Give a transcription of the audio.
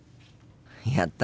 やった！